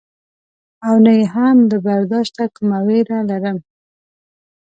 او نه یې هم له برداشته کومه وېره لرم.